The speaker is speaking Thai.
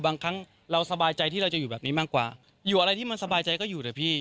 บางครั้งเราสบายใจที่เราจะอยู่แบบนี้มากกว่าอยู่อะไรที่มันสบายใจก็อยู่นะพี่